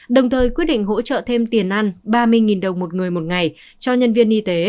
đồng thời quyết định hỗ trợ thêm tiền ăn ba mươi đồng một người một ngày cho nhân viên y tế